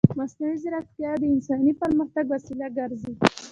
مصنوعي ځیرکتیا د انساني پرمختګ وسیله ګرځي.